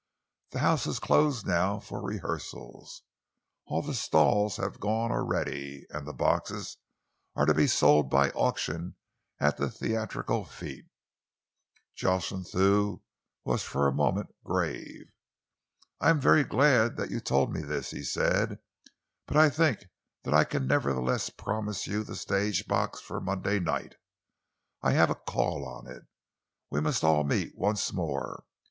"The house is closed now for rehearsals. All the stalls have gone already, and the boxes are to be sold by auction at the Theatrical Fête." Jocelyn Thew was for a moment grave. "I am very glad that you told me this," he said, "but I think that I can nevertheless promise you the stage box for Monday night. I have a call on it. We must all meet once more.